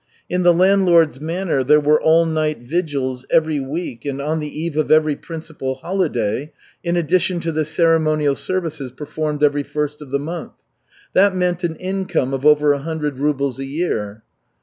In the landlord's manor there were all night vigils every week and on the eve of every principal holiday, in addition to the ceremonial services performed every first of the month. That meant an income of over a hundred rubles a year.